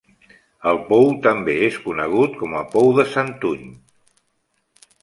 El pou també és conegut com a Pou de Sant Uny.